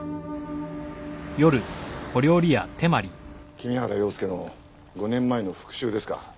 君原洋介の５年前の復讐ですか。